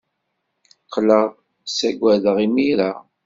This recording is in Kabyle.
Qqleɣ ssaggadeɣ imir-a?